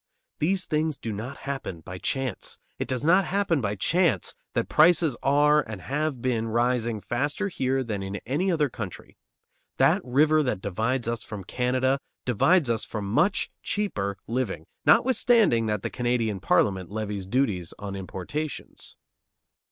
These things do not happen by chance. It does not happen by chance that prices are and have been rising faster here than in any other country. That river that divides us from Canada divides us from much cheaper living, notwithstanding that the Canadian Parliament levies duties on importations.